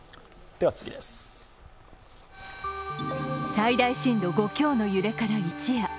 最大震度５強の揺れから一夜。